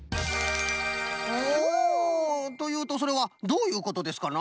おお！というとそれはどういうことですかな？